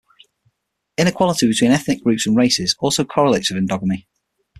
Inequality between ethnic groups and races also correlates with endogamy.